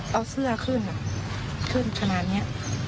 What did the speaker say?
เอาเสื้อขึ้นขึ้นขนาดนี้